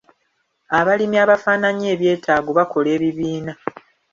Abalimi abafaananya ebyetaago bakola ebibiina.